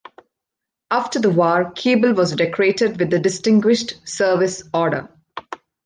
After the war, Keeble was decorated with the Distinguished Service Order.